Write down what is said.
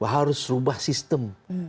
harus rubah sistem